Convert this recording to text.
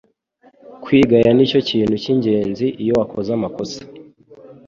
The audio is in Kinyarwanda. Kwigaya nicyo kintu cyingenzi iyo wakoze amakosa